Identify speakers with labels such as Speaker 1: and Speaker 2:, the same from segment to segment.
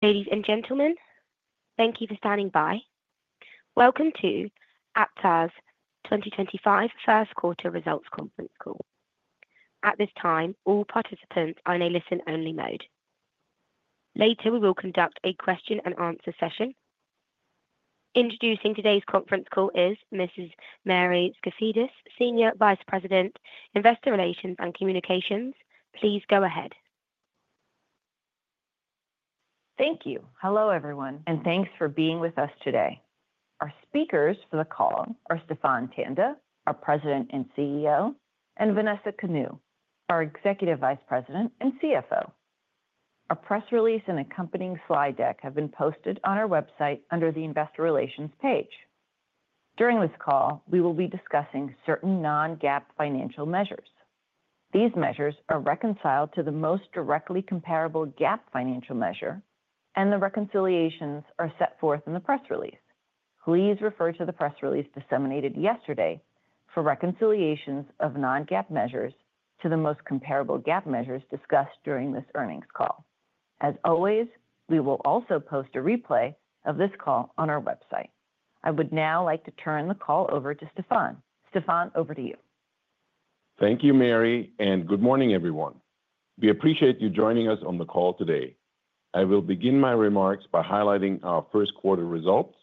Speaker 1: Ladies and gentlemen, thank you for standing by. Welcome to Aptar's 2025 Q1 Results Conference Call. At this time, all participants are in a listen-only mode. Later, we will conduct a question-and-answer session. Introducing today's conference call is Mrs. Mary Skafidas, Senior Vice President, Investor Relations and Communications. Please go ahead.
Speaker 2: Thank you. Hello, everyone, and thanks for being with us today. Our speakers for the call are Stephan Tanda, our President and CEO, and Vanessa Kanu, our Executive Vice President and CFO. Our press release and accompanying slide deck have been posted on our website under the Investor Relations page. During this call, we will be discussing certain non-GAAP financial measures. These measures are reconciled to the most directly comparable GAAP financial measure, and the reconciliations are set forth in the press release. Please refer to the press release disseminated yesterday for reconciliations of non-GAAP measures to the most comparable GAAP measures discussed during this earnings call. As always, we will also post a replay of this call on our website. I would now like to turn the call over to Stephan. Stephan, over to you.
Speaker 3: Thank you, Mary, and good morning, everyone. We appreciate you joining us on the call today. I will begin my remarks by highlighting our first Q1 results.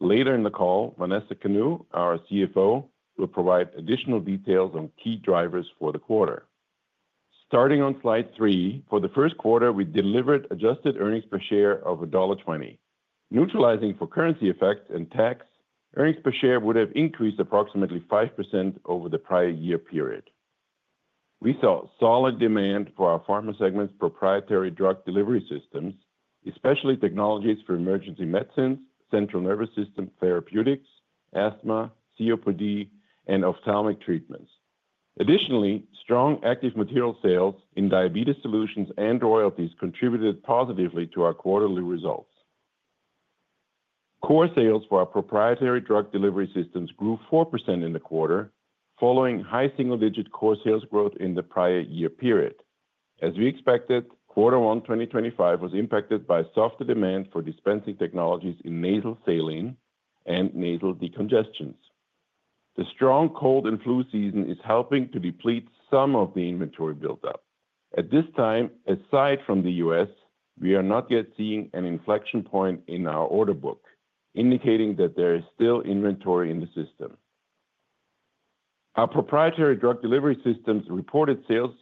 Speaker 3: Later in the call, Vanessa Kanu, our CFO, will provide additional details on key drivers for the quarter. Starting on slide three, for the Q1, we delivered adjusted earnings per share of $1.20. Neutralizing for currency effects and tax, earnings per share would have increased approximately 5% over the prior year period. We saw solid demand for our pharma segment's proprietary drug delivery systems, especially technologies for emergency medicines, central nervous system therapeutics, asthma, COPD, and ophthalmic treatments. Additionally, strong active material sales in diabetes solutions and royalties contributed positively to our quarterly results. Core sales for our proprietary drug delivery systems grew 4% in the quarter, following high single-digit core sales growth in the prior year period. As we expected, Q1 2025 was impacted by softer demand for dispensing technologies in nasal saline and nasal decongestants. The strong cold and flu season is helping to deplete some of the inventory buildup. At this time, aside from the U.S., we are not yet seeing an inflection point in our order book, indicating that there is still inventory in the system. Our proprietary drug delivery systems' reported sales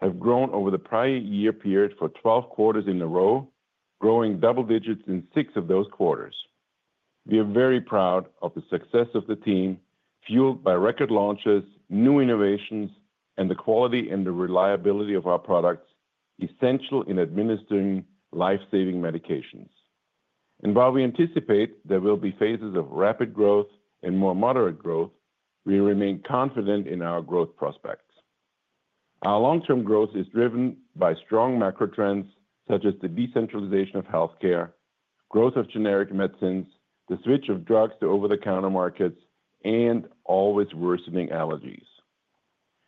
Speaker 3: have grown over the prior year period for 12 quarters in a row, growing double digits in six of those quarters. We are very proud of the success of the team, fueled by record launches, new innovations, and the quality and the reliability of our products, essential in administering lifesaving medications. While we anticipate there will be phases of rapid growth and more moderate growth, we remain confident in our growth prospects. Our long-term growth is driven by strong macro trends such as the decentralization of healthcare, growth of generic medicines, the switch of drugs to over-the-counter markets, and always worsening allergies.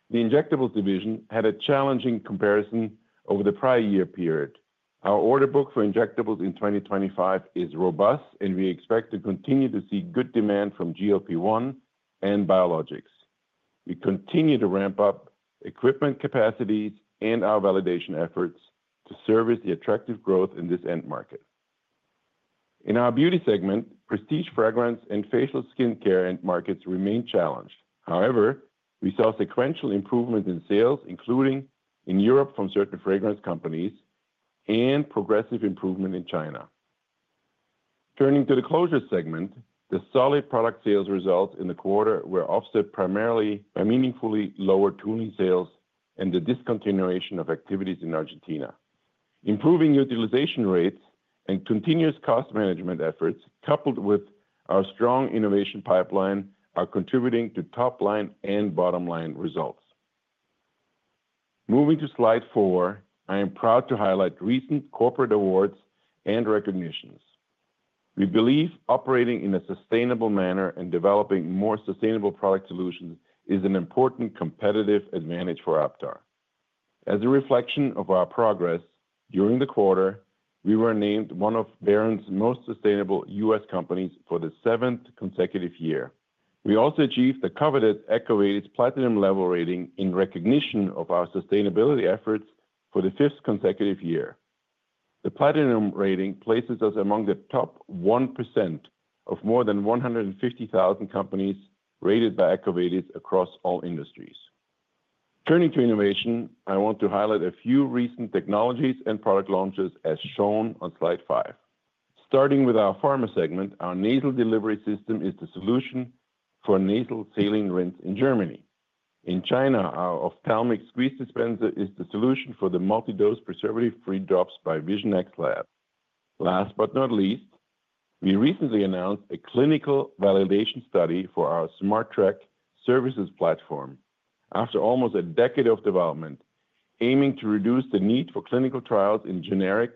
Speaker 3: The injectables division had a challenging comparison over the prior year period. Our order book for injectables in 2025 is robust, and we expect to continue to see good demand from GLP-1 and biologics. We continue to ramp up equipment capacities and our validation efforts to service the attractive growth in this end market. In our beauty segment, prestige fragrance and facial skincare end markets remain challenged. However, we saw sequential improvements in sales, including in Europe from certain fragrance companies, and progressive improvement in China. Turning to the closure segment, the solid product sales results in the quarter were offset primarily by meaningfully lower tooling sales and the discontinuation of activities in Argentina. Improving utilization rates and continuous cost management efforts, coupled with our strong innovation pipeline, are contributing to top-line and bottom-line results. Moving to slide four, I am proud to highlight recent corporate awards and recognitions. We believe operating in a sustainable manner and developing more sustainable product solutions is an important competitive advantage for Aptar. As a reflection of our progress during the quarter, we were named one of Barron's most sustainable US companies for the seventh consecutive year. We also achieved the coveted EcoVadis Platinum level rating in recognition of our sustainability efforts for the fifth consecutive year. The Platinum rating places us among the top 1% of more than 150,000 companies rated by EcoVadis across all industries. Turning to innovation, I want to highlight a few recent technologies and product launches as shown on slide five. Starting with our pharma segment, our nasal delivery system is the solution for nasal saline rinse in Germany. In China, our ophthalmic squeeze dispenser is the solution for the multi-dose preservative-free drops by VisionX Lab. Last but not least, we recently announced a clinical validation study for our SmartTrack services platform after almost a decade of development, aiming to reduce the need for clinical trials in generic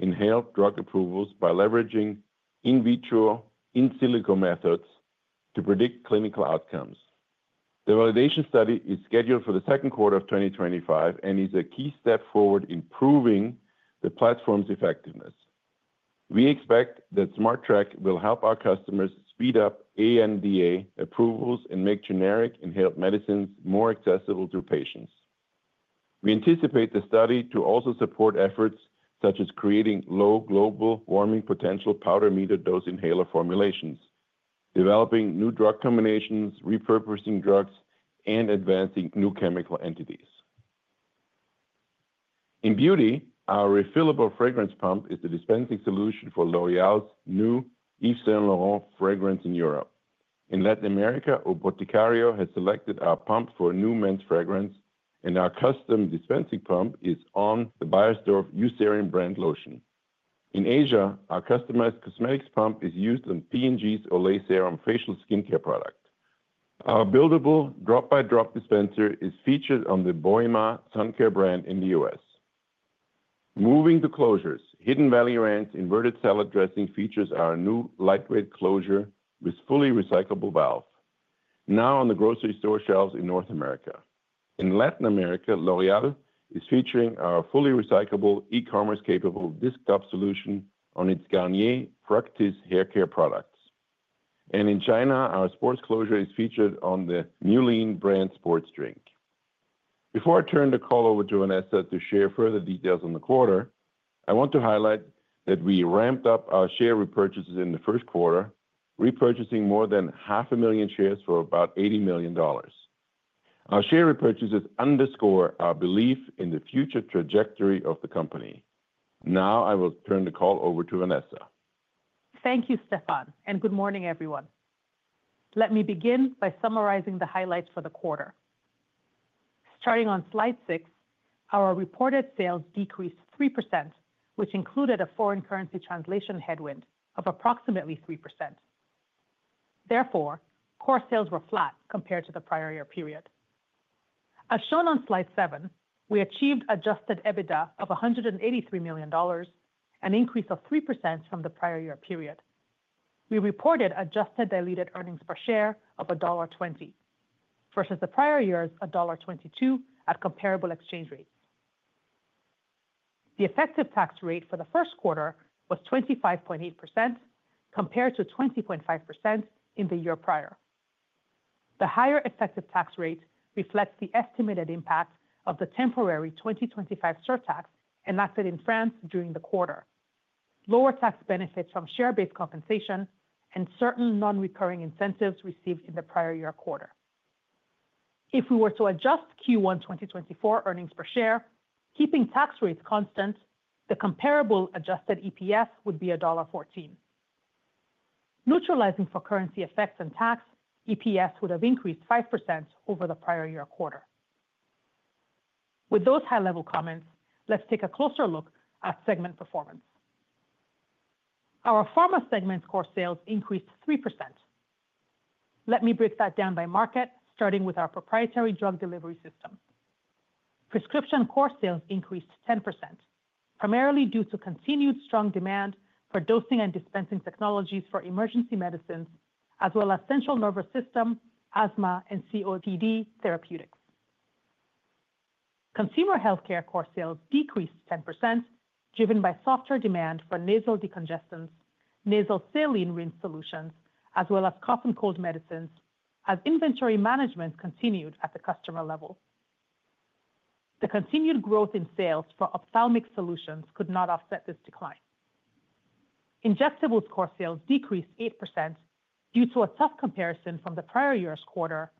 Speaker 3: inhaled drug approvals by leveraging in vitro, in silico methods to predict clinical outcomes. The validation study is scheduled for the Q2 of 2025 and is a key step forward in proving the platform's effectiveness. We expect that SmartTrack will help our customers speed up ANDA approvals and make generic inhaled medicines more accessible to patients. We anticipate the study to also support efforts such as creating low global warming potential powder meter dose inhaler formulations, developing new drug combinations, repurposing drugs, and advancing new chemical entities. In beauty, our refillable fragrance pump is the dispensing solution for L'Oréal's new Yves Saint Laurent fragrance in Europe. In Latin America, O Boticario has selected our pump for a new men's fragrance, and our custom dispensing pump is on the Beiersdorf Eucerin brand lotion. In Asia, our customized cosmetics pump is used on P&G's Olay Serum facial skincare product. Our buildable drop-by-drop dispenser is featured on the Boema suncare brand in the US. Moving to closures, Hidden Valley Ranch's inverted salad dressing features our new lightweight closure with fully recyclable valve, now on the grocery store shelves in North America. In Latin America, L'Oréal is featuring our fully recyclable, e-commerce-capable disc top solution on its Garnier Fructis haircare products. In China, our sports closure is featured on the New Lean brand sports drink. Before I turn the call over to Vanessa to share further details on the quarter, I want to highlight that we ramped up our share repurchases in the Q1, repurchasing more than 500,000 shares for about $80 million. Our share repurchases underscore our belief in the future trajectory of the company. Now, I will turn the call over to Vanessa.
Speaker 4: Thank you, Stephan, and good morning, everyone. Let me begin by summarizing the highlights for the quarter. Starting on slide six, our reported sales decreased 3%, which included a foreign currency translation headwind of approximately 3%. Therefore, core sales were flat compared to the prior year period. As shown on slide seven, we achieved adjusted EBITDA of $183 million, an increase of 3% from the prior year period. We reported adjusted diluted earnings per share of $1.20 versus the prior year's $1.22 at comparable exchange rates. The effective tax rate for the Q1 was 25.8% compared to 20.5% in the year prior. The higher effective tax rate reflects the estimated impact of the temporary 2025 surtax enacted in France during the quarter, lower tax benefits from share-based compensation, and certain non-recurring incentives received in the prior year quarter. If we were to adjust Q1 2024 earnings per share, keeping tax rates constant, the comparable adjusted EPS would be $1.14. Neutralizing for currency effects and tax, EPS would have increased 5% over the prior year quarter. With those high-level comments, let's take a closer look at segment performance. Our pharma segment core sales increased 3%. Let me break that down by market, starting with our proprietary drug delivery system. Prescription core sales increased 10%, primarily due to continued strong demand for dosing and dispensing technologies for emergency medicines, as well as central nervous system, asthma, and COPD therapeutics. Consumer healthcare core sales decreased 10%, driven by softer demand for nasal decongestions, nasal saline rinse solutions, as well as cough and cold medicines, as inventory management continued at the customer level. The continued growth in sales for ophthalmic solutions could not offset this decline. Injectables core sales decreased 8% due to a tough comparison from the prior year's quarter,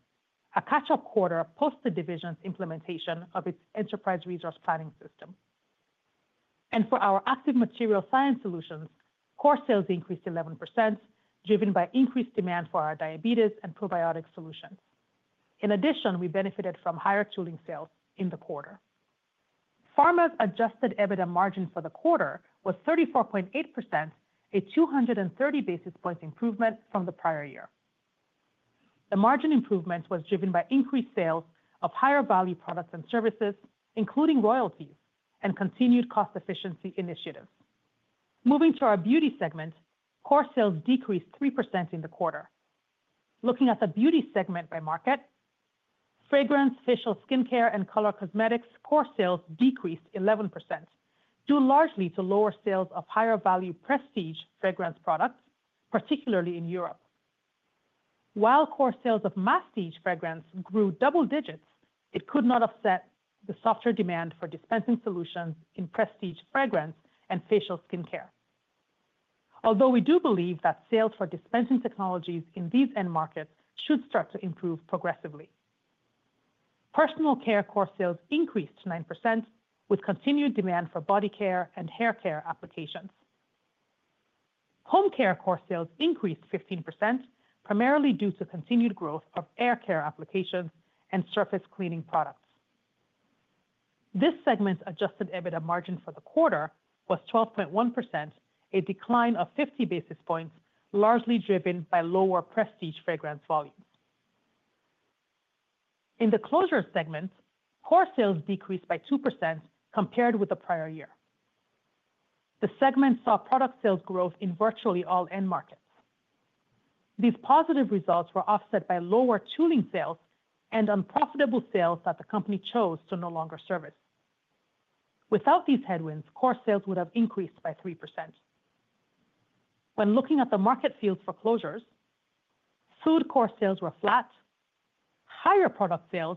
Speaker 4: a catch-up quarter post the division's implementation of its enterprise resource planning system. For our active material science solutions, core sales increased 11%, driven by increased demand for our diabetes and probiotic solutions. In addition, we benefited from higher tooling sales in the quarter. Pharma's adjusted EBITDA margin for the quarter was 34.8%, a 230 basis points improvement from the prior year. The margin improvement was driven by increased sales of higher value products and services, including royalties and continued cost efficiency initiatives. Moving to our beauty segment, core sales decreased 3% in the quarter. Looking at the beauty segment by market, fragrance, facial skincare, and color cosmetics, core sales decreased 11%, due largely to lower sales of higher value prestige fragrance products, particularly in Europe. While core sales of masstige fragrance grew double digits, it could not offset the softer demand for dispensing solutions in prestige fragrance and facial skincare. Although we do believe that sales for dispensing technologies in these end markets should start to improve progressively. Personal care core sales increased 9%, with continued demand for body care and haircare applications. Home care core sales increased 15%, primarily due to continued growth of haircare applications and surface cleaning products. This segment's adjusted EBITDA margin for the quarter was 12.1%, a decline of 50 basis points, largely driven by lower prestige fragrance volumes. In the closure segment, core sales decreased by 2% compared with the prior year. The segment saw product sales growth in virtually all end markets. These positive results were offset by lower tooling sales and unprofitable sales that the company chose to no longer service. Without these headwinds, core sales would have increased by 3%. When looking at the market fields for closures, food core sales were flat. Higher product sales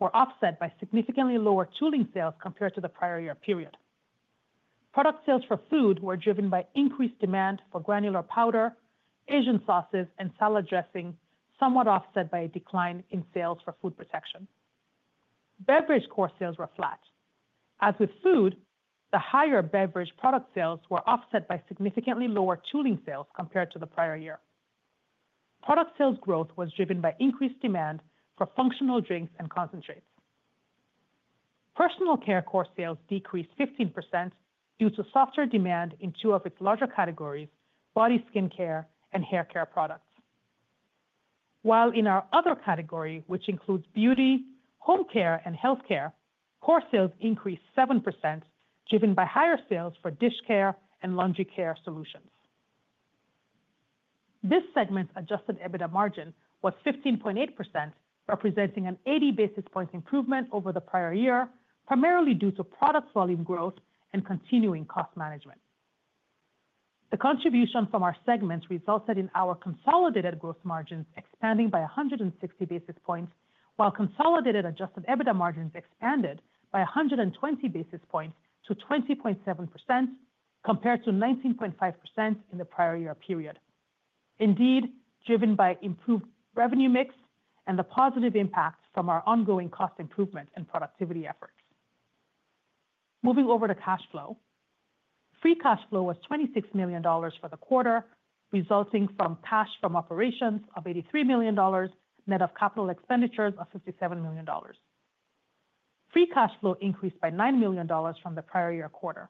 Speaker 4: were offset by significantly lower tooling sales compared to the prior year period. Product sales for food were driven by increased demand for granular powder, Asian sauces, and salad dressing, somewhat offset by a decline in sales for food protection. Beverage core sales were flat. As with food, the higher beverage product sales were offset by significantly lower tooling sales compared to the prior year. Product sales growth was driven by increased demand for functional drinks and concentrates. Personal care core sales decreased 15% due to softer demand in two of its larger categories, body skincare and haircare products. While in our other category, which includes beauty, home care, and healthcare, core sales increased 7%, driven by higher sales for dishcare and laundry care solutions. This segment's adjusted EBITDA margin was 15.8%, representing an 80 basis points improvement over the prior year, primarily due to product volume growth and continuing cost management. The contribution from our segments resulted in our consolidated gross margins expanding by 160 basis points, while consolidated adjusted EBITDA margins expanded by 120 basis points to 20.7% compared to 19.5% in the prior year period. Indeed, driven by improved revenue mix and the positive impact from our ongoing cost improvement and productivity efforts. Moving over to cash flow, free cash flow was $26 million for the quarter, resulting from cash from operations of $83 million net of capital expenditures of $57 million. Free cash flow increased by $9 million from the prior year quarter.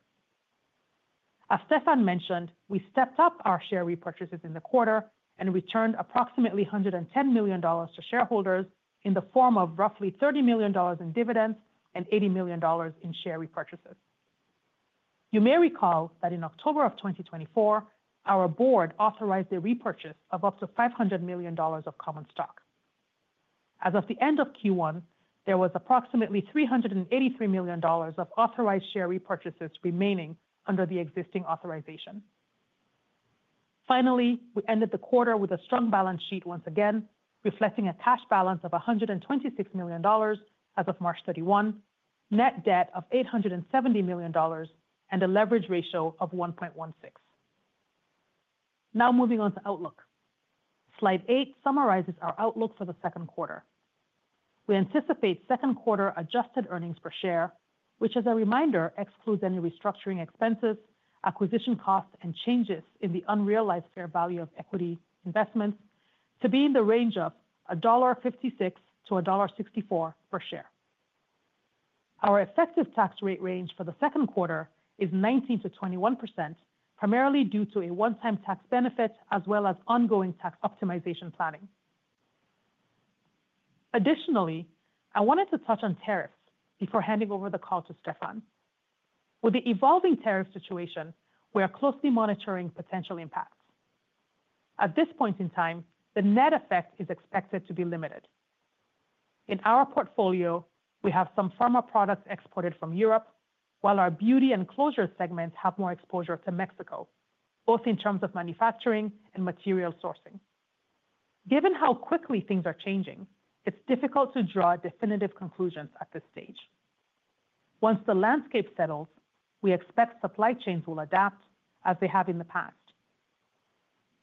Speaker 4: As Stephan mentioned, we stepped up our share repurchases in the quarter and returned approximately $110 million to shareholders in the form of roughly $30 million in dividends and $80 million in share repurchases. You may recall that in October 2024, our board authorized a repurchase of up to $500 million of common stock. As of the end of Q1, there was approximately $383 million of authorized share repurchases remaining under the existing authorization. Finally, we ended the quarter with a strong balance sheet once again, reflecting a cash balance of $126 million as of March 31, net debt of $870 million, and a leverage ratio of 1.16. Now, moving on to outlook. Slide eight summarizes our outlook for the Q2. We anticipate Q2 adjusted earnings per share, which, as a reminder, excludes any restructuring expenses, acquisition costs, and changes in the unrealized fair value of equity investments to be in the range of $1.56-$1.64 per share. Our effective tax rate range for the Q2 is 19%-21%, primarily due to a one-time tax benefit as well as ongoing tax optimization planning. Additionally, I wanted to touch on tariffs before handing over the call to Stephan. With the evolving tariff situation, we are closely monitoring potential impacts. At this point in time, the net effect is expected to be limited. In our portfolio, we have some pharma products exported from Europe, while our beauty and closure segments have more exposure to Mexico, both in terms of manufacturing and material sourcing. Given how quickly things are changing, it's difficult to draw definitive conclusions at this stage. Once the landscape settles, we expect supply chains will adapt as they have in the past.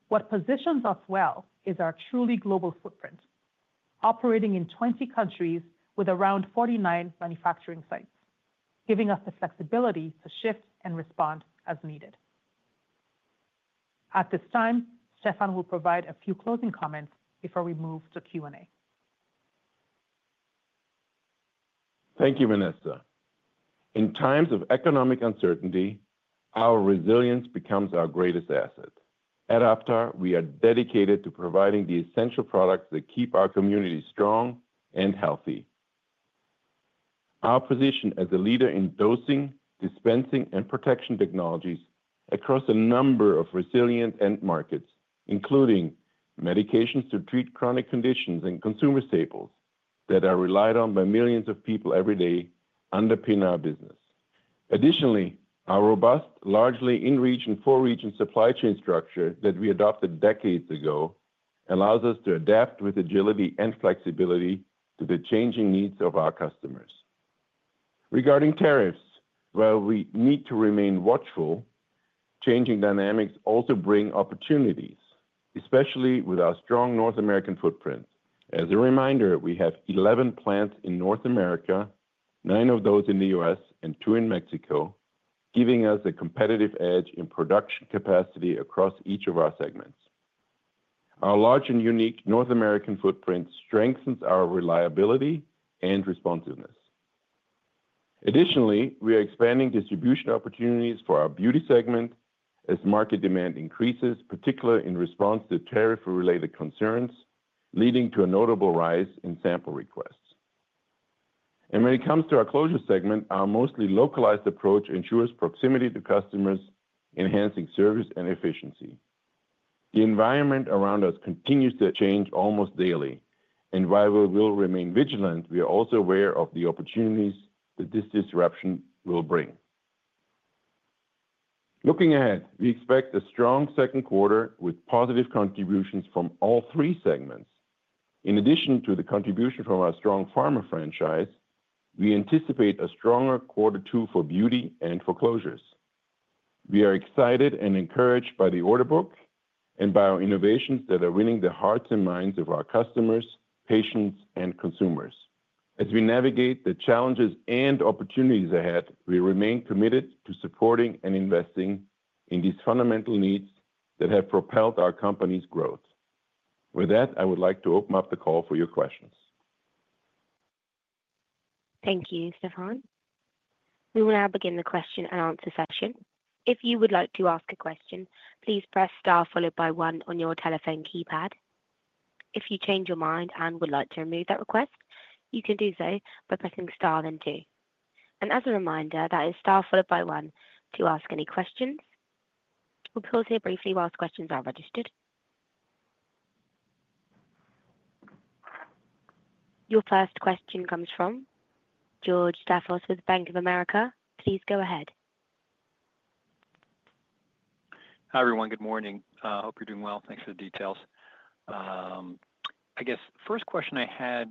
Speaker 4: What positions us well is our truly global footprint, operating in 20 countries with around 49 manufacturing sites, giving us the flexibility to shift and respond as needed. At this time, Stephan will provide a few closing comments before we move to Q&A.
Speaker 3: Thank you, Vanessa. In times of economic uncertainty, our resilience becomes our greatest asset. At Aptar, we are dedicated to providing the essential products that keep our communities strong and healthy. Our position as a leader in dosing, dispensing, and protection technologies across a number of resilient end markets, including medications to treat chronic conditions and consumer staples that are relied on by millions of people every day, underpin our business. Additionally, our robust, largely in-region, four-region supply chain structure that we adopted decades ago allows us to adapt with agility and flexibility to the changing needs of our customers. Regarding tariffs, while we need to remain watchful, changing dynamics also bring opportunities, especially with our strong North American footprint. As a reminder, we have 11 plants in North America, nine of those in the US and two in Mexico, giving us a competitive edge in production capacity across each of our segments. Our large and unique North American footprint strengthens our reliability and responsiveness. Additionally, we are expanding distribution opportunities for our beauty segment as market demand increases, particularly in response to tariff-related concerns, leading to a notable rise in sample requests. When it comes to our closure segment, our mostly localized approach ensures proximity to customers, enhancing service and efficiency. The environment around us continues to change almost daily, and while we will remain vigilant, we are also aware of the opportunities that this disruption will bring. Looking ahead, we expect a strong Q2 with positive contributions from all three segments. In addition to the contribution from our strong pharma franchise, we anticipate a stronger Q2 for beauty and for closures. We are excited and encouraged by the order book and by our innovations that are winning the hearts and minds of our customers, patients, and consumers. As we navigate the challenges and opportunities ahead, we remain committed to supporting and investing in these fundamental needs that have propelled our company's growth. With that, I would like to open up the call for your questions.
Speaker 1: Thank you, Stephan. We will now begin the question and answer section. If you would like to ask a question, please press star followed by one on your telephone keypad. If you change your mind and would like to remove that request, you can do so by pressing star then two. As a reminder, that is star followed by one to ask any questions. We'll pause here briefly whilst questions are registered. Your first question comes from George Staphos with Bank of America. Please go ahead.
Speaker 5: Hi everyone. Good morning. I hope you're doing well. Thanks for the details. I guess first question I had,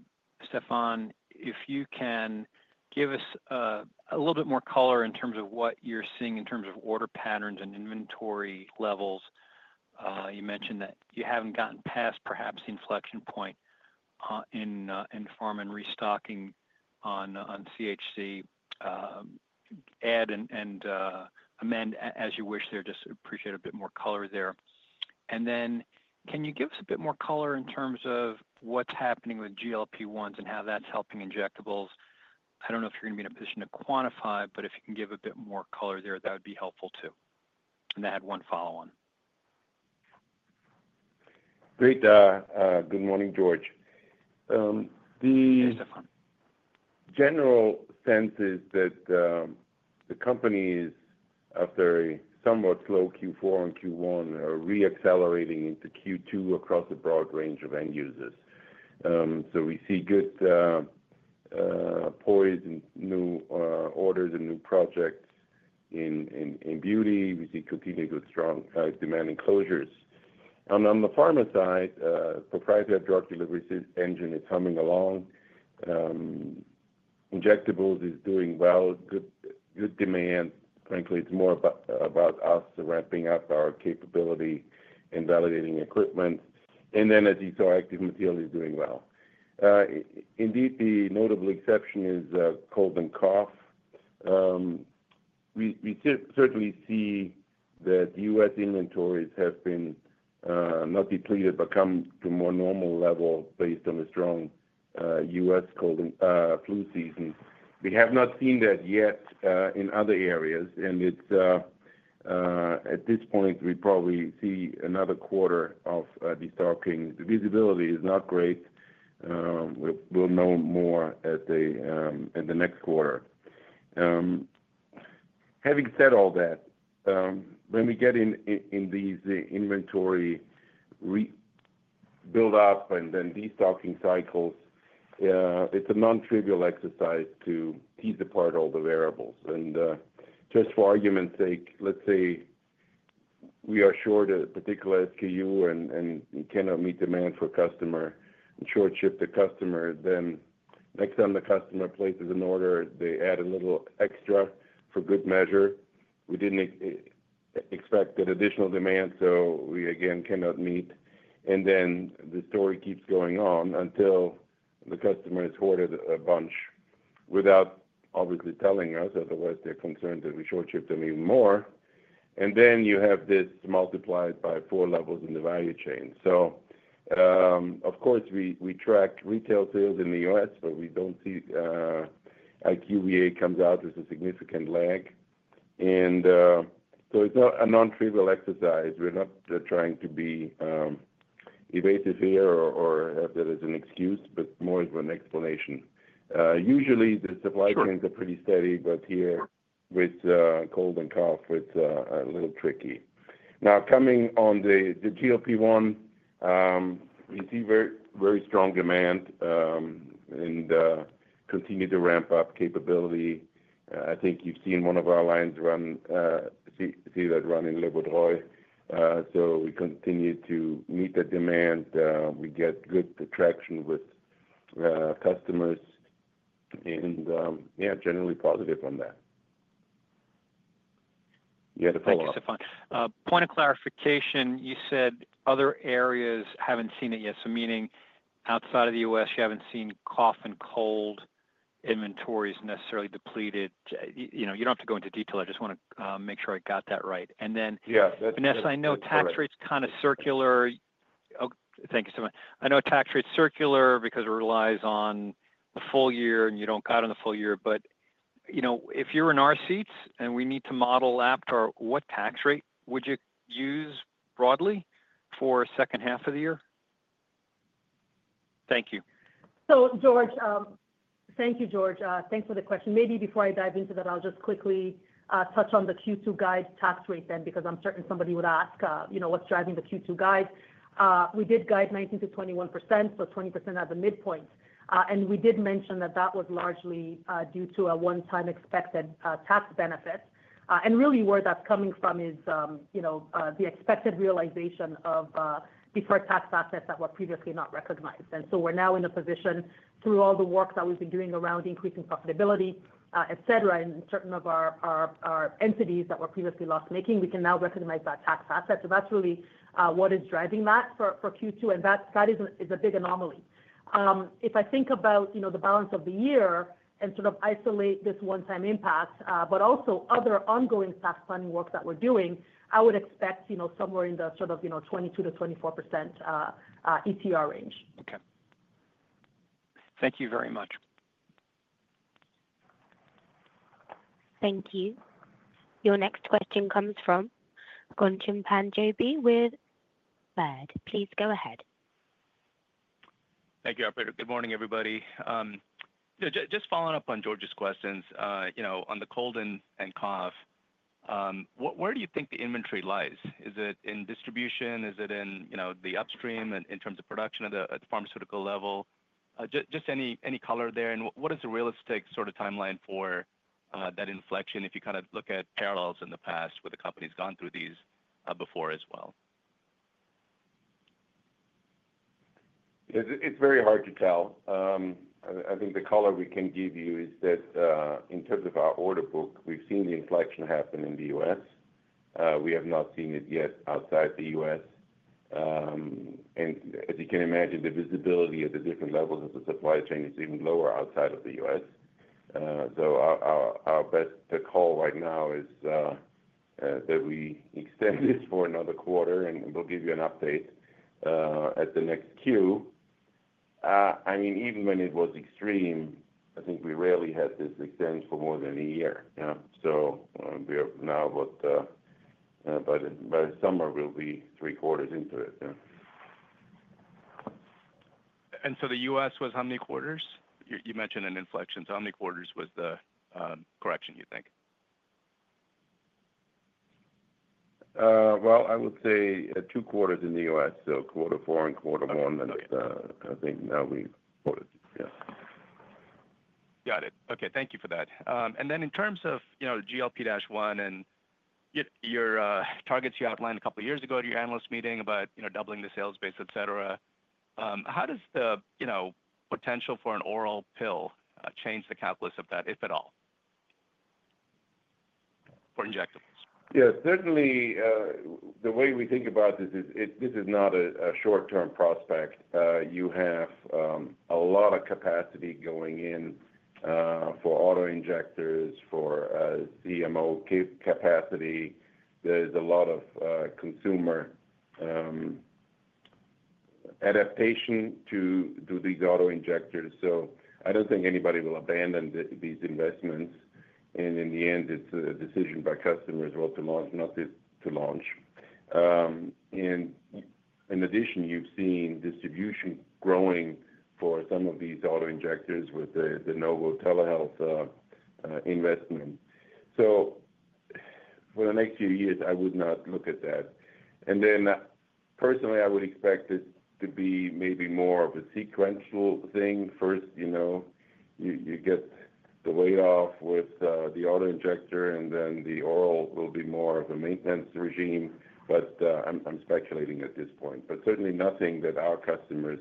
Speaker 5: Stephan, if you can give us a little bit more color in terms of what you're seeing in terms of order patterns and inventory levels. You mentioned that you haven't gotten past perhaps the inflection point in pharma and restocking on CHC. Add and amend as you wish there. Just appreciate a bit more color there. Can you give us a bit more color in terms of what's happening with GLP-1s and how that's helping injectables? I don't know if you're going to be in a position to quantify, but if you can give a bit more color there, that would be helpful too. I had one follow-on.
Speaker 3: Great. Good morning, George. The general sense is that the companies, after a somewhat slow Q4 and Q1, are re-accelerating into Q2 across a broad range of end users. We see good poise in new orders and new projects in beauty. We see continued good strong demand in closures. On the pharma side, proprietary drug delivery engine is humming along. Injectables is doing well. Good demand. Frankly, it's more about us ramping up our capability and validating equipment. As you saw, active material is doing well. Indeed, the notable exception is cold and cough. We certainly see that US inventories have been not depleted but come to a more normal level based on the strong US flu season. We have not seen that yet in other areas. At this point, we probably see another quarter of the stocking. The visibility is not great. We'll know more at the next quarter. Having said all that, when we get in these inventory build-up and then destocking cycles, it's a non-trivial exercise to tease apart all the variables. Just for argument's sake, let's say we are short a particular SKU and cannot meet demand for customer and short-ship the customer. Next time the customer places an order, they add a little extra for good measure. We didn't expect that additional demand, so we again cannot meet. The story keeps going on until the customer has hoarded a bunch without obviously telling us. Otherwise, they're concerned that we short-ship them even more. You have this multiplied by four levels in the value chain. Of course, we track retail sales in the US, but we don't see IQVIA comes out as a significant lag. It's a non-trivial exercise. We're not trying to be evasive here or have that as an excuse, but more as an explanation. Usually, the supply chains are pretty steady, but here with cold and cough, it's a little tricky. Now, coming on the GLP-1, we see very strong demand and continue to ramp up capability. I think you've seen one of our lines run, see that run in Le Vaudreuil. We continue to meet that demand. We get good traction with customers. Yeah, generally positive on that. You had a follow-up.
Speaker 6: Thank you, Stephan. Point of clarification, you said other areas have not seen it yet. So meaning outside of the U.S., you have not seen cough and cold inventories necessarily depleted. You do not have to go into detail. I just want to make sure I got that right. And then, Vanessa, I know tax rates kind of circular. Thank you, Stephan. I know tax rates circular because it relies on the full year, and you do not cut on the full year. But if you are in our seats and we need to model AptarGroup, what tax rate would you use broadly for the second half of the year? Thank you.
Speaker 4: George, thank you, George. Thanks for the question. Maybe before I dive into that, I'll just quickly touch on the Q2 guide tax rate then because I'm certain somebody would ask what's driving the Q2 guide. We did guide 19%-21%, so 20% at the midpoint. We did mention that that was largely due to a one-time expected tax benefit. Really, where that's coming from is the expected realization of deferred tax assets that were previously not recognized. We're now in a position, through all the work that we've been doing around increasing profitability, etc., in certain of our entities that were previously loss-making, we can now recognize that tax asset. That's really what is driving that for Q2. That is a big anomaly. If I think about the balance of the year and sort of isolate this one-time impact, but also other ongoing tax planning work that we're doing, I would expect somewhere in the sort of 22%-24% ETR range.
Speaker 6: Okay. Thank you very much.
Speaker 1: Thank you. Your next question comes from Ghansham Panjabi with Baird. Please go ahead.
Speaker 5: Thank you, Aptar. Good morning, everybody. Just following up on George's questions on the cold and cough, where do you think the inventory lies? Is it in distribution? Is it in the upstream in terms of production at the pharmaceutical level? Just any color there. What is the realistic sort of timeline for that inflection if you kind of look at parallels in the past where the company's gone through these before as well?
Speaker 3: It's very hard to tell. I think the color we can give you is that in terms of our order book, we've seen the inflection happen in the U.S. We have not seen it yet outside the U.S. As you can imagine, the visibility at the different levels of the supply chain is even lower outside of the U.S. Our best call right now is that we extend this for another quarter, and we'll give you an update at the next Q. I mean, even when it was extreme, I think we rarely had this extend for more than a year. We're now about by the summer, we'll be three quarters into it.
Speaker 5: The U.S. was how many quarters? You mentioned an inflection. How many quarters was the correction, you think?
Speaker 3: I would say two quarters in the US. Quarter four and quarter one, I think now we quartered. Yeah.
Speaker 5: Got it. Okay. Thank you for that. In terms of GLP-1 and your targets you outlined a couple of years ago at your analyst meeting about doubling the sales base, etc., how does the potential for an oral pill change the catalyst of that, if at all, for injectables?
Speaker 3: Yeah. Certainly, the way we think about this is this is not a short-term prospect. You have a lot of capacity going in for auto injectors, for CMO capacity. There's a lot of consumer adaptation to these auto injectors. I don't think anybody will abandon these investments. In the end, it's a decision by customers what to launch, not to launch. In addition, you've seen distribution growing for some of these auto injectors with the Novo Telehealth investment. For the next few years, I would not look at that. Personally, I would expect it to be maybe more of a sequential thing. First, you get the weight off with the auto injector, and then the oral will be more of a maintenance regime. I'm speculating at this point. Certainly nothing that our customers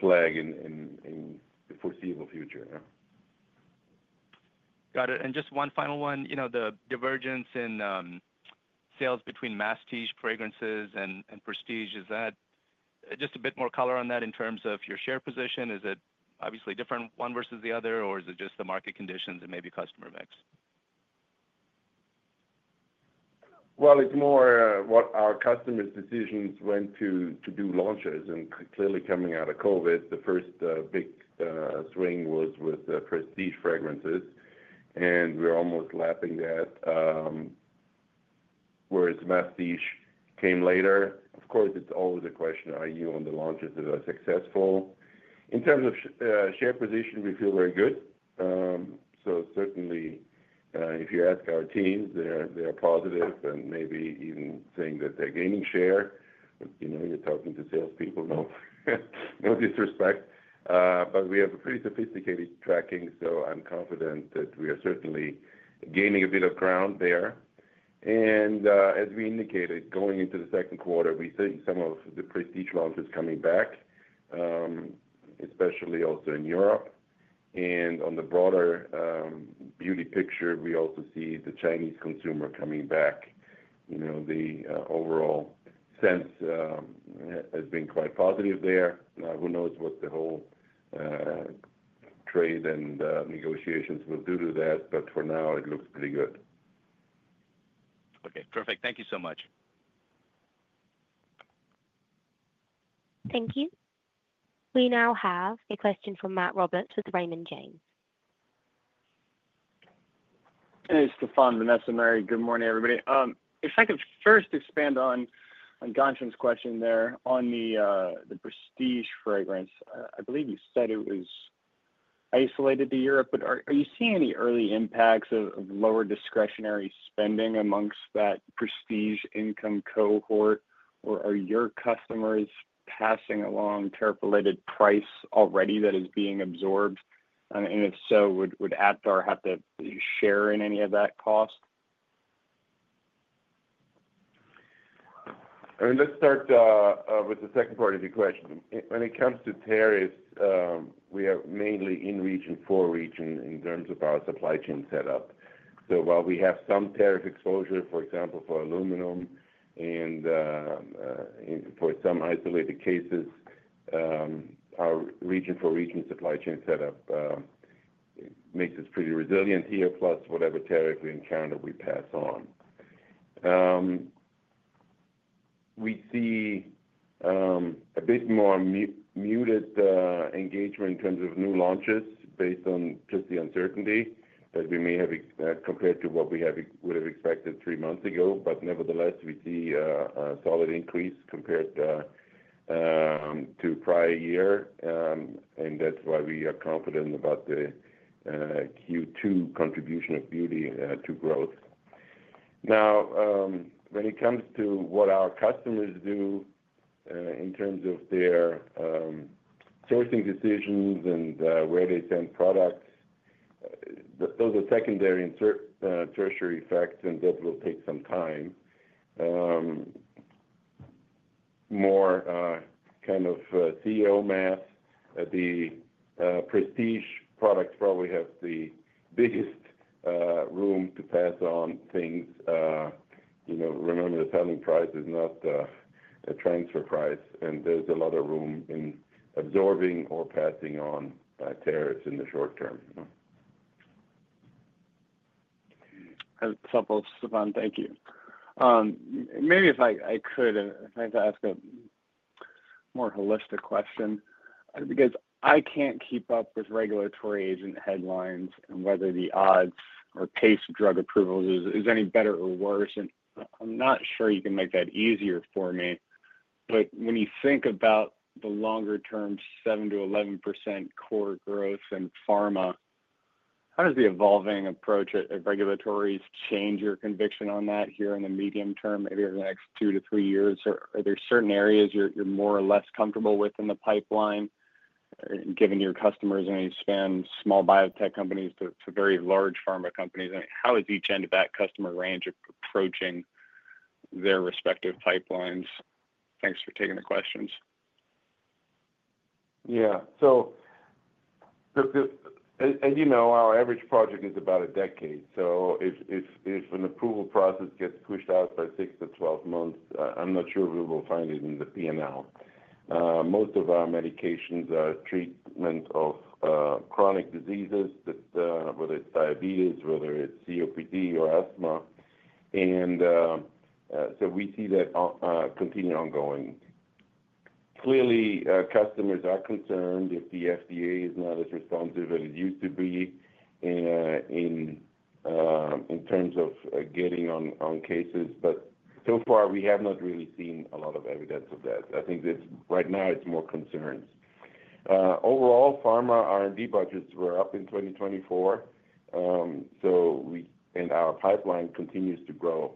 Speaker 3: flag in the foreseeable future.
Speaker 5: Got it. Just one final one. The divergence in sales between mass-tige fragrances and prestige, is that just a bit more color on that in terms of your share position? Is it obviously different one versus the other, or is it just the market conditions and maybe customer mix?
Speaker 3: It is more what our customers' decisions went to do launches. Clearly, coming out of COVID, the first big swing was with Prestige fragrances. We are almost lapping that, whereas Mastiche came later. Of course, it is always a question: are you on the launches that are successful? In terms of share position, we feel very good. Certainly, if you ask our teams, they are positive and maybe even saying that they are gaining share. You are talking to salespeople, no disrespect. We have a pretty sophisticated tracking, so I am confident that we are certainly gaining a bit of ground there. As we indicated, going into the Q2, we see some of the Prestige launches coming back, especially also in Europe. On the broader beauty picture, we also see the Chinese consumer coming back. The overall sense has been quite positive there. Now, who knows what the whole trade and negotiations will do to that? For now, it looks pretty good.
Speaker 5: Okay. Perfect. Thank you so much.
Speaker 1: Thank you. We now have a question from Matt Roberts with Raymond James.
Speaker 5: Hey, Stephan, Vanessa, Mary, good morning, everybody. If I could first expand on Ghansham's question there on the Prestige fragrance, I believe you said it was isolated to Europe. Are you seeing any early impacts of lower discretionary spending amongst that Prestige income cohort? Are your customers passing along tariff-related price already that is being absorbed? If so, would Aptar have to share in any of that cost?
Speaker 3: I mean, let's start with the second part of your question. When it comes to tariffs, we are mainly in region-for-region in terms of our supply chain setup. So while we have some tariff exposure, for example, for aluminum and for some isolated cases, our region-for-region supply chain setup makes us pretty resilient here. Plus, whatever tariff we encounter, we pass on. We see a bit more muted engagement in terms of new launches based on just the uncertainty that we may have compared to what we would have expected three months ago. Nevertheless, we see a solid increase compared to prior year. That is why we are confident about the Q2 contribution of beauty to growth. Now, when it comes to what our customers do in terms of their sourcing decisions and where they send products, those are secondary, tertiary facts, and that will take some time. More kind of CEO math. The Prestige products probably have the biggest room to pass on things. Remember, the selling price is not a transfer price. And there is a lot of room in absorbing or passing on tariffs in the short term.
Speaker 5: That's helpful, Stephan. Thank you. Maybe if I could, if I could ask a more holistic question because I can't keep up with regulatory agent headlines and whether the odds or pace drug approvals is any better or worse. I'm not sure you can make that easier for me. When you think about the longer-term 7-11% core growth in pharma, how does the evolving approach at regulatories change your conviction on that here in the medium term, maybe over the next two to three years? Are there certain areas you're more or less comfortable with in the pipeline given your customers and you span small biotech companies to very large pharma companies? How is each end of that customer range approaching their respective pipelines? Thanks for taking the questions.
Speaker 3: Yeah. As you know, our average project is about a decade. If an approval process gets pushed out by 6-12 months, I'm not sure we will find it in the P&L. Most of our medications are treatment of chronic diseases, whether it's diabetes, whether it's COPD, or asthma. We see that continue ongoing. Clearly, customers are concerned if the FDA is not as responsive as it used to be in terms of getting on cases. So far, we have not really seen a lot of evidence of that. I think right now, it's more concerns. Overall, pharma R&D budgets were up in 2024, and our pipeline continues to grow.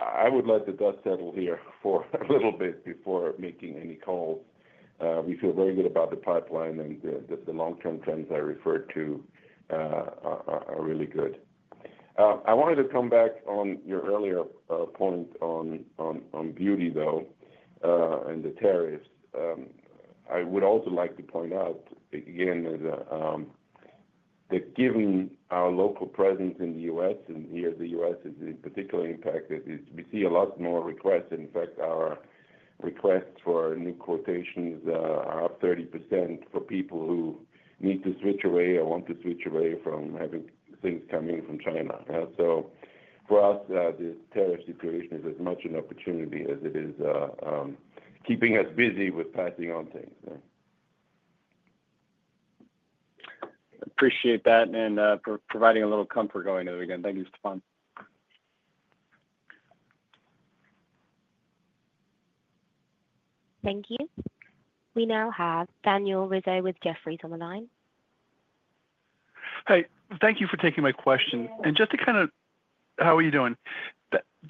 Speaker 3: I would let the dust settle here for a little bit before making any calls. We feel very good about the pipeline, and the long-term trends I referred to are really good. I wanted to come back on your earlier point on beauty, though, and the tariffs. I would also like to point out, again, that given our local presence in the U.S., and here the U.S. is particularly impacted, we see a lot more requests. In fact, our requests for new quotations are up 30% for people who need to switch away or want to switch away from having things coming from China. For us, the tariff situation is as much an opportunity as it is keeping us busy with passing on things.
Speaker 5: Appreciate that and providing a little comfort going into the weekend. Thank you, Stephan.
Speaker 1: Thank you. We now have Daniel Rizzo with Jefferies on the line.
Speaker 5: Hey, thank you for taking my question. Just to kind of—how are you doing?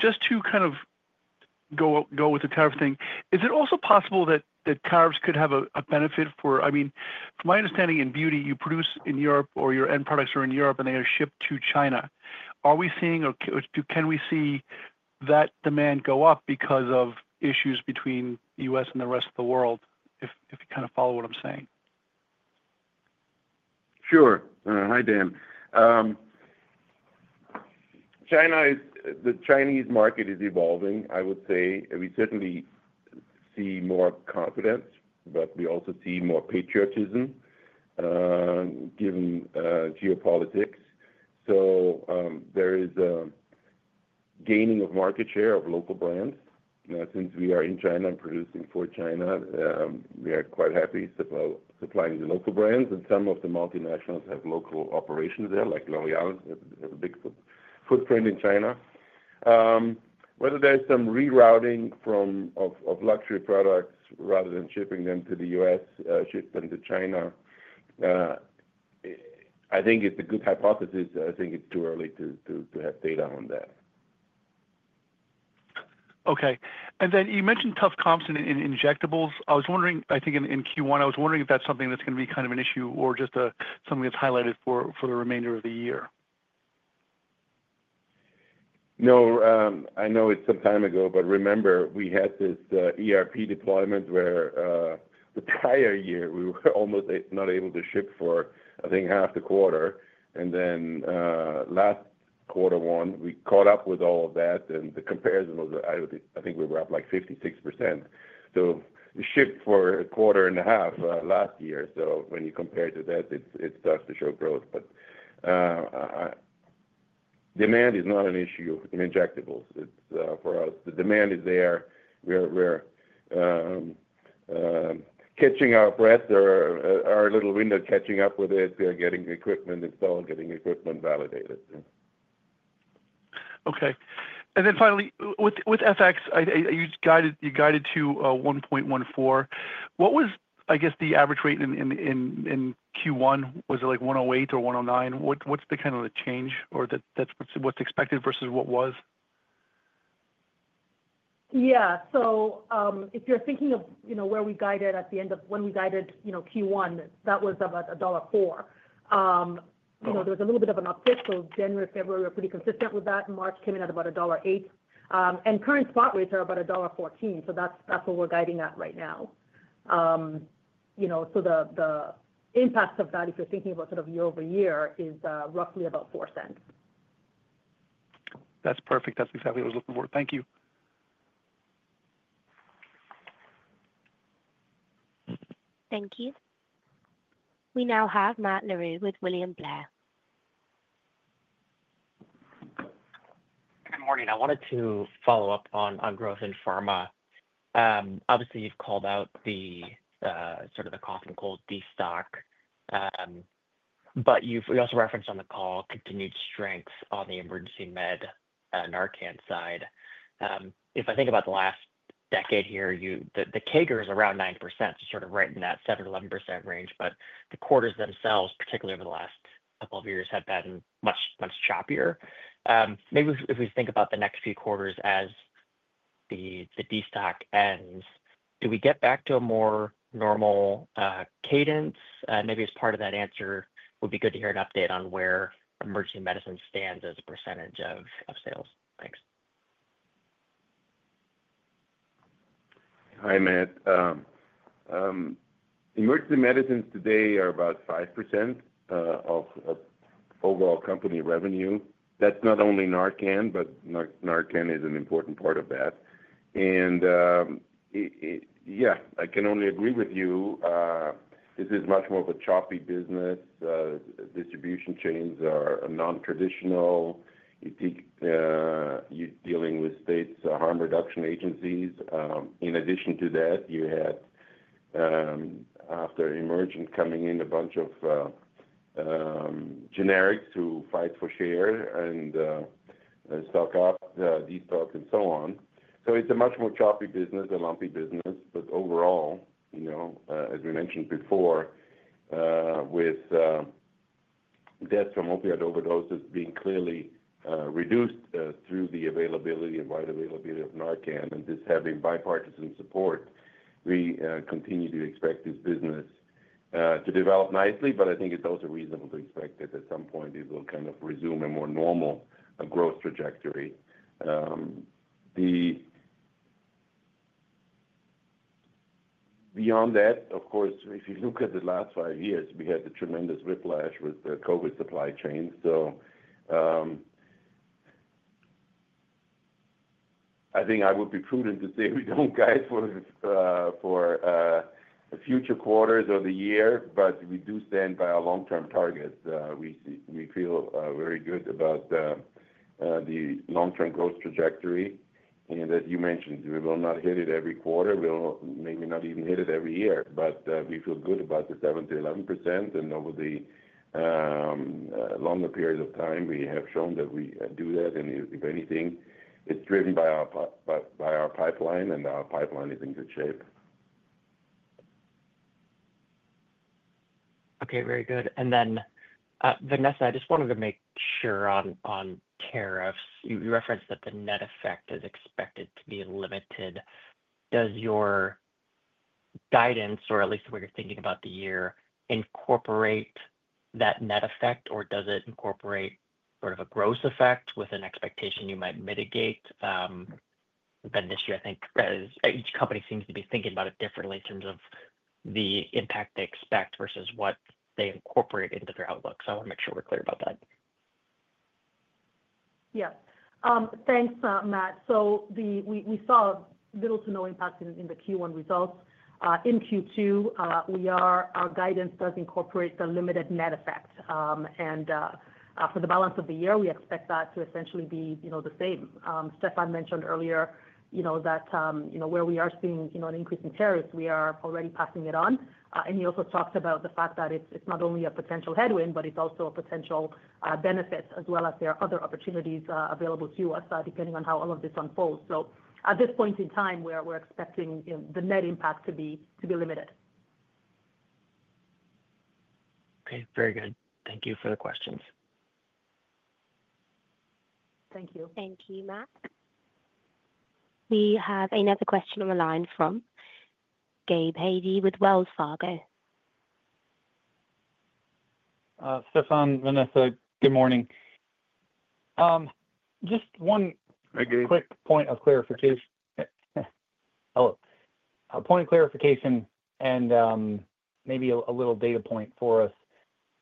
Speaker 5: Just to kind of go with the tariff thing, is it also possible that tariffs could have a benefit for—I mean, from my understanding in beauty, you produce in Europe, or your end products are in Europe, and they are shipped to China. Are we seeing—or can we see that demand go up because of issues between the U.S. and the rest of the world, if you kind of follow what I'm saying?
Speaker 3: Sure. Hi, Dan. The Chinese market is evolving, I would say. We certainly see more confidence, but we also see more patriotism given geopolitics. There is a gaining of market share of local brands. Now, since we are in China and producing for China, we are quite happy supplying the local brands. Some of the multinationals have local operations there, like L'Oréal has a big footprint in China. Whether there is some rerouting of luxury products rather than shipping them to the U.S., shipped them to China, I think it is a good hypothesis. I think it is too early to have data on that.
Speaker 7: Okay. You mentioned tough comps in injectables. I was wondering, I think in Q1, I was wondering if that's something that's going to be kind of an issue or just something that's highlighted for the remainder of the year.
Speaker 3: No. I know it's some time ago. Remember, we had this ERP deployment where the prior year, we were almost not able to ship for, I think, half the quarter. Last quarter one, we caught up with all of that. The comparison was, I think we were up like 56%. We shipped for a quarter and a half last year. When you compare to that, it starts to show growth. Demand is not an issue in injectables. For us, the demand is there. We're catching our breath or our little window catching up with it. We are getting equipment installed, getting equipment validated.
Speaker 5: Okay. Finally, with FX, you guided to $1.14. What was, I guess, the average rate in Q1? Was it like $1.08 or $1.09? What's the kind of the change? Or that's what's expected versus what was?
Speaker 4: Yeah. If you're thinking of where we guided at the end of when we guided Q1, that was about $1.04. There was a little bit of an uptick. January and February were pretty consistent with that. March came in at about $1.08. Current spot rates are about $1.14. That's what we're guiding at right now. The impact of that, if you're thinking about sort of year over year, is roughly about $0.04.
Speaker 5: That's perfect. That's exactly what I was looking for. Thank you.
Speaker 1: Thank you. We now have Matt Larew with William Blair.
Speaker 8: Good morning. I wanted to follow up on growth in pharma. Obviously, you've called out sort of the cough and cold destock. You also referenced on the call continued strength on the emergency med Narcan side. If I think about the last decade here, the CAGR is around 9%, so sort of right in that 7%-11% range. The quarters themselves, particularly over the last couple of years, have been much choppier. Maybe if we think about the next few quarters as the destock ends, do we get back to a more normal cadence? Maybe as part of that answer, it would be good to hear an update on where emergency medicine stands as a percentage of sales. Thanks.
Speaker 3: Hi, Matt. Emergency medicine today are about 5% of overall company revenue. That's not only Narcan, but Narcan is an important part of that. Yeah, I can only agree with you. This is much more of a choppy business. Distribution chains are non-traditional. You're dealing with state harm reduction agencies. In addition to that, you had, after emergence, coming in a bunch of generics who fight for share and stock up, de-stock, and so on. It is a much more choppy business, a lumpy business. Overall, as we mentioned before, with deaths from opiate overdoses being clearly reduced through the availability and wide availability of Narcan and this having bipartisan support, we continue to expect this business to develop nicely. I think it's also reasonable to expect that at some point, it will kind of resume a more normal growth trajectory. Beyond that, of course, if you look at the last five years, we had the tremendous whiplash with the COVID supply chain. I think I would be prudent to say we do not guide for future quarters or the year. We do stand by our long-term targets. We feel very good about the long-term growth trajectory. As you mentioned, we will not hit it every quarter. We will maybe not even hit it every year. We feel good about the 7-11%. Over the longer period of time, we have shown that we do that. If anything, it is driven by our pipeline, and our pipeline is in good shape.
Speaker 8: Okay. Very good. Vanessa, I just wanted to make sure on tariffs. You referenced that the net effect is expected to be limited. Does your guidance, or at least the way you're thinking about the year, incorporate that net effect? Does it incorporate sort of a gross effect with an expectation you might mitigate? This year, I think each company seems to be thinking about it differently in terms of the impact they expect versus what they incorporate into their outlook. I want to make sure we're clear about that.
Speaker 4: Yeah. Thanks, Matt. We saw little to no impact in the Q1 results. In Q2, our guidance does incorporate the limited net effect. For the balance of the year, we expect that to essentially be the same. Stephan mentioned earlier that where we are seeing an increase in tariffs, we are already passing it on. He also talked about the fact that it is not only a potential headwind, but it is also a potential benefit as well as there are other opportunities available to us depending on how all of this unfolds. At this point in time, we are expecting the net impact to be limited.
Speaker 8: Okay. Very good. Thank you for the questions.
Speaker 4: Thank you.
Speaker 1: Thank you, Matt. We have another question on the line from Gabe Hajde with Wells Fargo.
Speaker 9: Stephan, Vanessa, good morning. Just one
Speaker 3: Hey Gabe
Speaker 9: quick point of clarification. Hello. A point of clarification and maybe a little data point for us.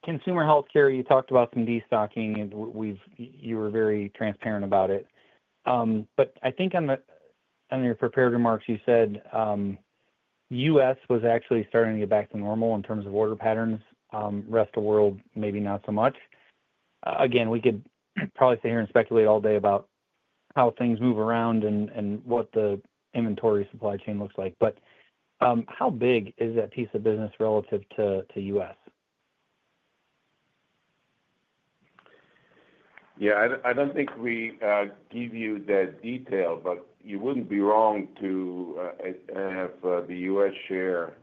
Speaker 9: Consumer healthcare, you talked about some de-stocking, and you were very transparent about it. I think on your prepared remarks, you said U.S. was actually starting to get back to normal in terms of order patterns. Rest of the world, maybe not so much. Again, we could probably sit here and speculate all day about how things move around and what the inventory supply chain looks like. How big is that piece of business relative to U.S.?
Speaker 3: Yeah. I don't think we give you that detail, but you wouldn't be wrong to have the US share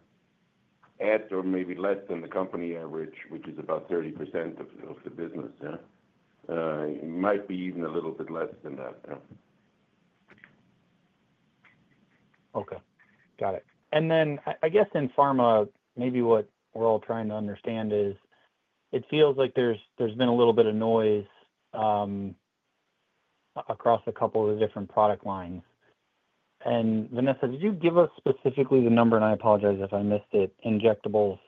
Speaker 3: at or maybe less than the company average, which is about 30% of the business. It might be even a little bit less than that.
Speaker 9: Okay. Got it. I guess in pharma, maybe what we're all trying to understand is it feels like there's been a little bit of noise across a couple of the different product lines. Vanessa, did you give us specifically the number? I apologize if I missed it, injectables,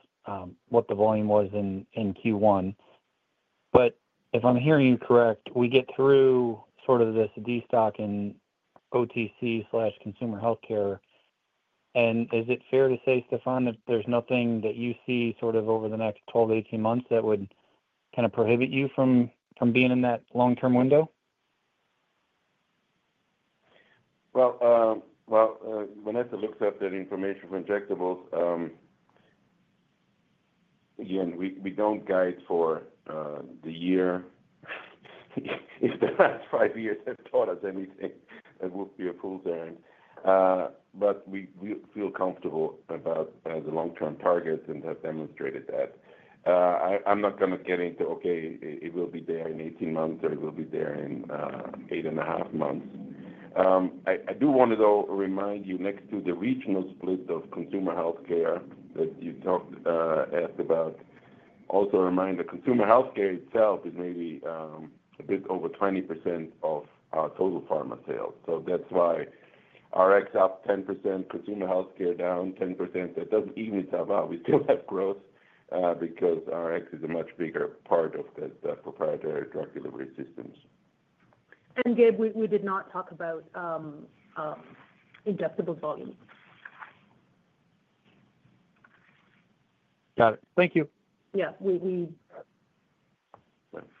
Speaker 9: what the volume was in Q1. If I'm hearing you correct, we get through sort of this de-stock in OTC/consumer healthcare. Is it fair to say, Stephan, that there's nothing that you see sort of over the next 12-18 months that would kind of prohibit you from being in that long-term window?
Speaker 3: Vanessa looks at that information for injectables. Again, we do not guide for the year. If the last five years have taught us anything, that would be a fool's errand. We feel comfortable about the long-term targets and have demonstrated that. I am not going to get into, okay, it will be there in 18 months or it will be there in 8 and a half months. I do want to, though, remind you next to the regional split of consumer healthcare that you talked about, also remind that consumer healthcare itself is maybe a bit over 20% of our total pharma sales. That is why Rx up 10%, consumer healthcare down 10%. That does not even top up. We still have growth because Rx is a much bigger part of the proprietary drug delivery systems.
Speaker 4: Gabe, we did not talk about injectables volume.
Speaker 10: Got it. Thank you.
Speaker 4: Yeah.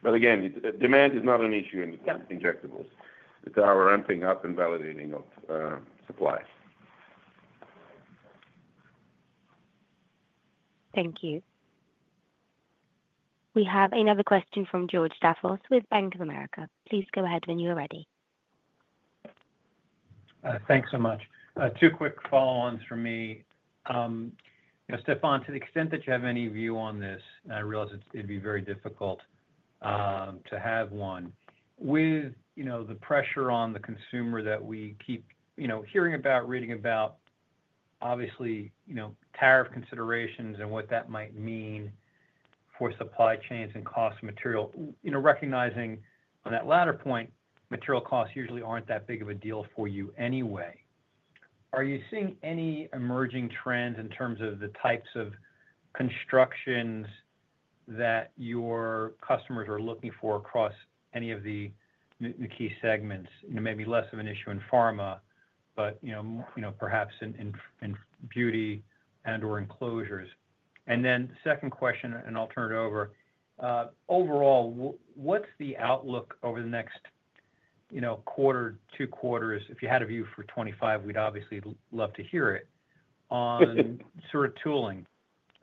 Speaker 3: Again, demand is not an issue in injectables. It's our ramping up and validating of supply.
Speaker 1: Thank you. We have another question from George Staphos with Bank of America. Please go ahead when you're ready.
Speaker 5: Thanks so much. Two quick follow-ons for me. Stephan, to the extent that you have any view on this, and I realize it'd be very difficult to have one. With the pressure on the consumer that we keep hearing about, reading about, obviously, tariff considerations and what that might mean for supply chains and cost of material, recognizing on that latter point, material costs usually aren't that big of a deal for you anyway. Are you seeing any emerging trends in terms of the types of constructions that your customers are looking for across any of the key segments? Maybe less of an issue in pharma, but perhaps in beauty and/or enclosures. Second question, I'll turn it over. Overall, what's the outlook over the next quarter, two quarters? If you had a view for 2025, we'd obviously love to hear it on sort of tooling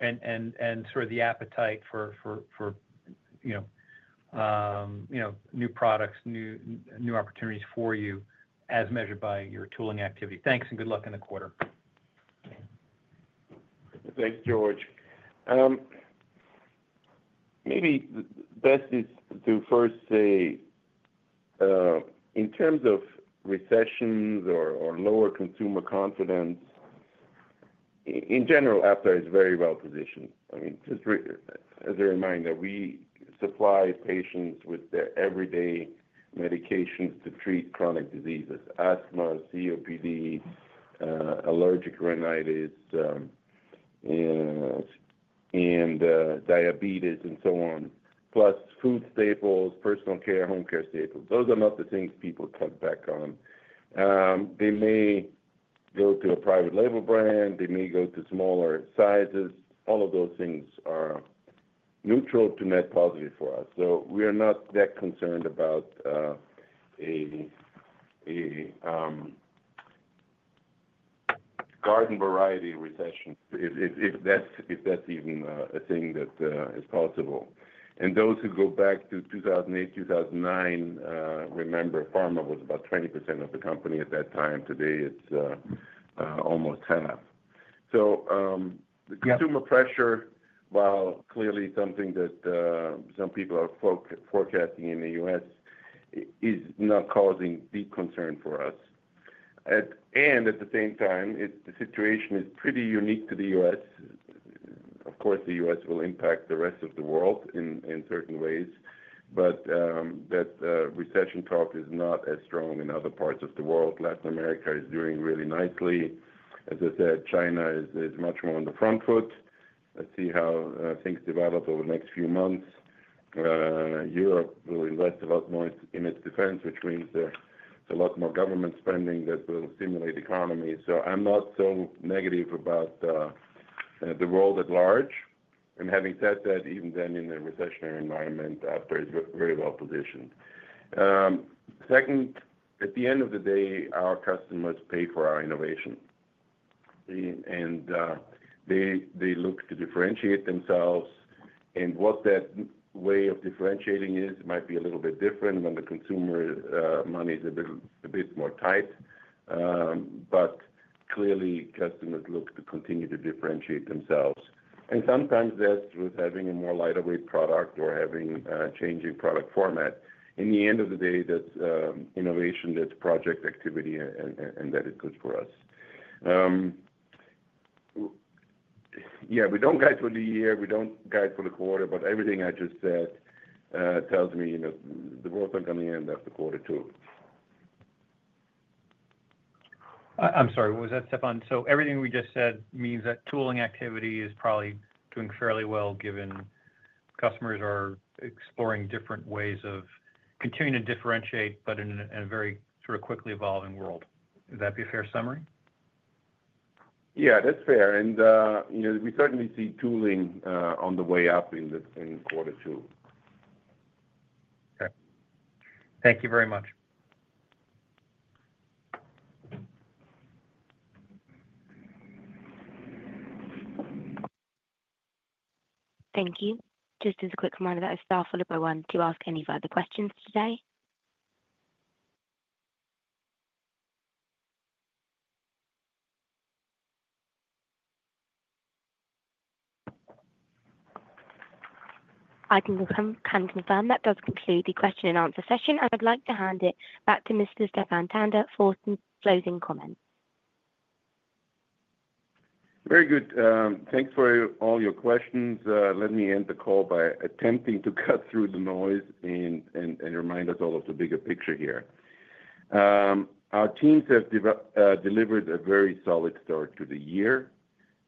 Speaker 5: and sort of the appetite for new products, new opportunities for you as measured by your tooling activity. Thanks and good luck in the quarter.
Speaker 3: Thanks, George. Maybe best is to first say, in terms of recessions or lower consumer confidence, in general, Aptar is very well positioned. I mean, just as a reminder, we supply patients with their everyday medications to treat chronic diseases: asthma, COPD, allergic rhinitis, and diabetes, and so on. Plus food staples, personal care, home care staples. Those are not the things people cut back on. They may go to a private label brand. They may go to smaller sizes. All of those things are neutral to net positive for us. We are not that concerned about a garden variety recession, if that's even a thing that is possible. Those who go back to 2008, 2009, remember pharma was about 20% of the company at that time. Today, it's almost half. The consumer pressure, while clearly something that some people are forecasting in the U.S., is not causing deep concern for us. At the same time, the situation is pretty unique to the U.S. Of course, the U.S. will impact the rest of the world in certain ways. That recession talk is not as strong in other parts of the world. Latin America is doing really nicely. As I said, China is much more on the front foot. Let's see how things develop over the next few months. Europe will invest a lot more in its defense, which means there's a lot more government spending that will stimulate the economy. I'm not so negative about the world at large. Having said that, even then in a recessionary environment, Aptar is very well positioned. Second, at the end of the day, our customers pay for our innovation. They look to differentiate themselves. What that way of differentiating is might be a little bit different when the consumer money is a bit more tight. Clearly, customers look to continue to differentiate themselves. Sometimes that's with having a more lighter-weight product or having a changing product format. In the end of the day, that's innovation, that's project activity, and that is good for us. Yeah. We do not guide for the year. We do not guide for the quarter. Everything I just said tells me the world's not going to end after Q2.
Speaker 6: I'm sorry. What was that, Stephan? Everything we just said means that tooling activity is probably doing fairly well given customers are exploring different ways of continuing to differentiate but in a very sort of quickly evolving world. Would that be a fair summary?
Speaker 3: Yeah. That's fair. We certainly see tooling on the way up in Q2.
Speaker 5: Okay. Thank you very much.
Speaker 1: Thank you. Just as a quick reminder, it's star followed by one to ask any further questions today. I can confirm that does conclude the question and answer session. I would like to hand it back to Mr. Stephan Tanda for some closing comments.
Speaker 3: Very good. Thanks for all your questions. Let me end the call by attempting to cut through the noise and remind us all of the bigger picture here. Our teams have delivered a very solid start to the year.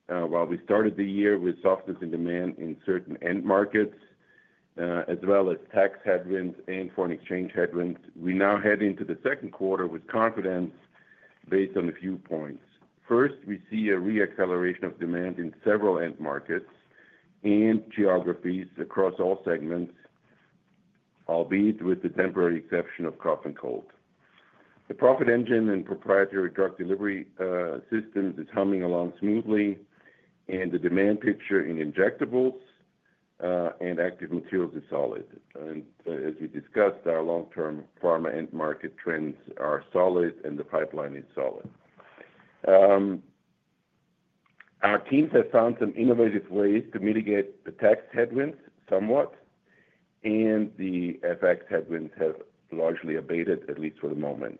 Speaker 3: While we started the year with softness in demand in certain end markets as well as tax headwinds and foreign exchange headwinds, we now head into the Q2 with confidence based on a few points. First, we see a re-acceleration of demand in several end markets and geographies across all segments, albeit with the temporary exception of cough and cold. The profit engine and proprietary drug delivery systems is humming along smoothly. The demand picture in injectables and active materials is solid. As we discussed, our long-term pharma end market trends are solid, and the pipeline is solid. Our teams have found some innovative ways to mitigate the tax headwinds somewhat. The FX headwinds have largely abated, at least for the moment.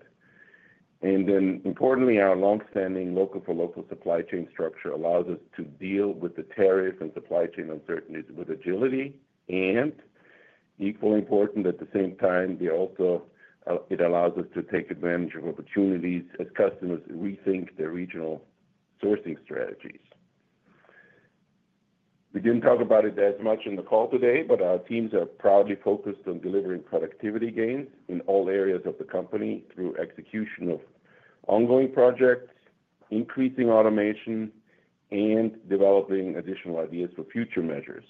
Speaker 3: Importantly, our long-standing local-for-local supply chain structure allows us to deal with the tariff and supply chain uncertainties with agility. Equally important at the same time, it allows us to take advantage of opportunities as customers rethink their regional sourcing strategies. We did not talk about it as much in the call today, but our teams are proudly focused on delivering productivity gains in all areas of the company through execution of ongoing projects, increasing automation, and developing additional ideas for future measures.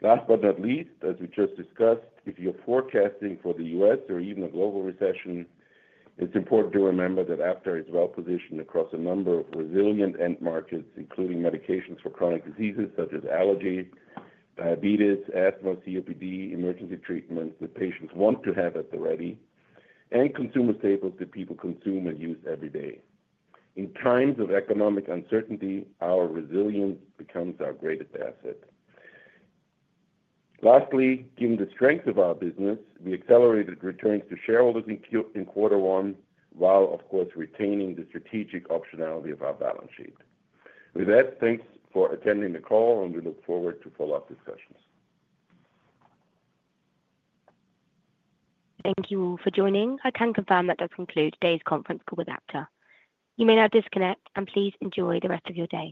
Speaker 3: Last but not least, as we just discussed, if you're forecasting for the U.S. or even a global recession, it's important to remember that Aptar is well positioned across a number of resilient end markets, including medications for chronic diseases such as allergy, diabetes, asthma, COPD, emergency treatments that patients want to have at the ready, and consumer staples that people consume and use every day. In times of economic uncertainty, our resilience becomes our greatest asset. Lastly, given the strength of our business, we accelerated returns to shareholders in Q1 while, of course, retaining the strategic optionality of our balance sheet. With that, thanks for attending the call, and we look forward to follow-up discussions.
Speaker 1: Thank you for joining. I can confirm that does conclude today's conference call with Aptar. You may now disconnect, and please enjoy the rest of your day.